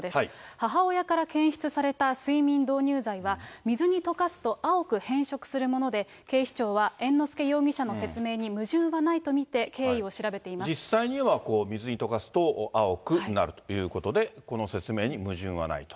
母親から検出された睡眠導入剤は、水に溶かすと青く変色するもので、警視庁は猿之助容疑者の説明に矛盾はないと見て経緯を調べていま実際には水に溶かすと青くなるということで、この説明に矛盾はないと。